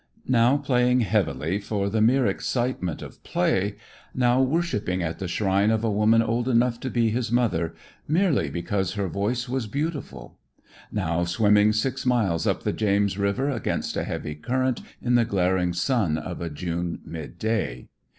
Now playing heavily for the mere excitement of play, now worshipping at the shrine of a woman old enough to be his mother, merely because her voice was beautiful; now swimming six miles up the James river against a heavy current in the glaring sun of a June midday.